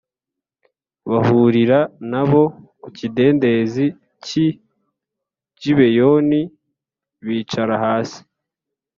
bahurira na bo ku kidendezi cy’i Gibeyoni bicara hasi